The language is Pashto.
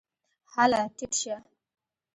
هله ټیټ شه !